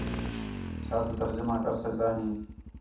چَھا تُو ترجمہ کر سڳدا ہیں؟